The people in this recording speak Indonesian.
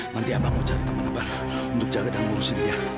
nanti abang mau cari teman abang untuk jaga dan mengusir